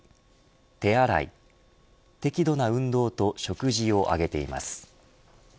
手洗い、適度な運動と食事を挙げています。